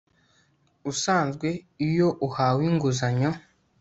Usanzwe iyo uwahawe inguzanyo